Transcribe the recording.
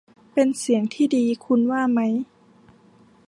เป็นเสียงที่ดี คุณว่าไหม